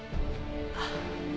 あっ。